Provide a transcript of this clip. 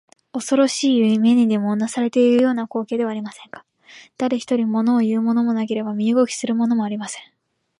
おそろしい夢にでもうなされているような光景ではありませんか。だれひとり、ものをいうものもなければ身動きするものもありません。